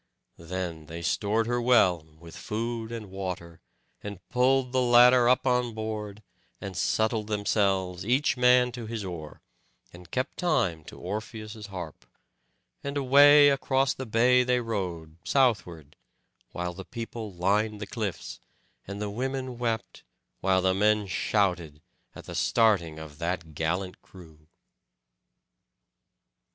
Then they stored her well with food and water, and pulled the ladder up on board, and settled themselves each man to his oar, and kept time to Orpheus's harp; and away across the bay they rowed southward, while the people lined the cliffs; and the women wept while the men shouted, at the starting of that gallant crew.